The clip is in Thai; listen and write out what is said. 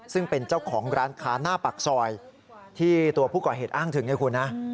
ซึ่งเป็นเจ้าของร้านค้าหน้าปากซอยที่ตัวผู้ก่อเหตุอ้างถึงไงคุณนะ